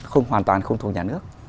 không hoàn toàn không thuộc nhà nước